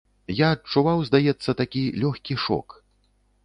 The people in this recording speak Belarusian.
Я адчуваў, здаецца, такі лёгкі шок.